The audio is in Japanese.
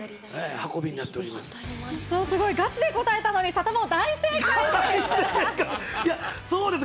すごい、ガチで答えたのに、サタボー、大正解です。